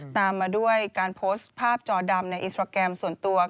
ตามมาด้วยการโพสต์ภาพจอดำในอินสตราแกรมส่วนตัว